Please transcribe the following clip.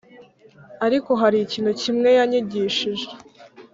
ariko hari ikintu kimwe yanyigishije